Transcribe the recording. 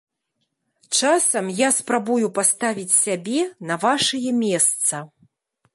Часам я спрабую паставіць сябе на вашае месца.